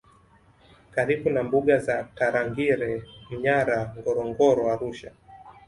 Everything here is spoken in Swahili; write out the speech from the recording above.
karibu na mbuga za Tarangire Manyara Ngorongoro Arusha